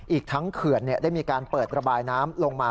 อีกทั้งเขื่อนได้มีการเปิดระบายน้ำลงมา